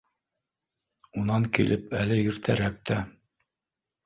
— Унан килеп, әле иртәрәк тә